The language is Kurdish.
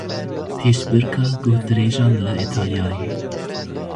Pêşbirka guhdirêjan li Îtalyayê.